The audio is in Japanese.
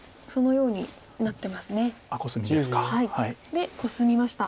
でコスみました。